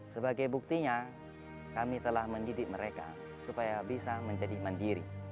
sebagai buktinya kami telah mendidik mereka supaya bisa menjadi mandiri